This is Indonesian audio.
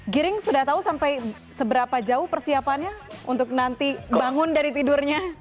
giring sudah tahu sampai seberapa jauh persiapannya untuk nanti bangun dari tidurnya